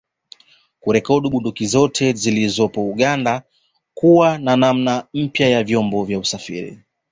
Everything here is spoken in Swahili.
Kurekodi bunduki zote zilizopo Uganda kuwa na namna mpya ya vyombo vya usafiri